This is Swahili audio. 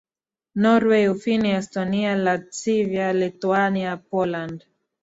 Norway Ufini Estonia Latvia Lithuania Poland